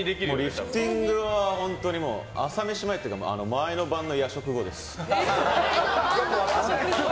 リフティングは朝飯前っていうか前の晩の夜食後です。